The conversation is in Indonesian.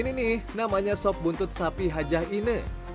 ini nih namanya sop buntut sapi hajah ine